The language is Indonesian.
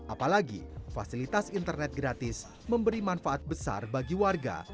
apalagi fasilitas internet gratis memberi manfaat besar bagi warga